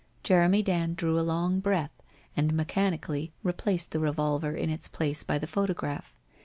Jeremy Dand drew a long breath, and mechanically replaced the revolver in its place by the photograph.